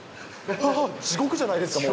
地獄じゃないですか、もう。